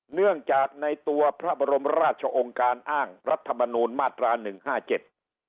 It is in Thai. เนื่องจากในตัวพระบรมราชองค์การอ้างรัฐมนูลมาตราหนึ่งห้าเจ็ด